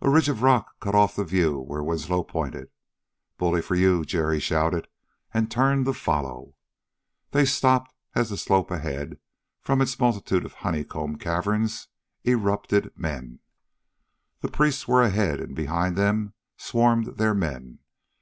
A ridge of rock cut off the view where Winslow pointed. "Bully for you!" Jerry shouted and turned to follow. They stopped as the slope ahead, from its multitude of honeycomb caverns, erupted men. The priests were ahead, and behind them swarmed their men.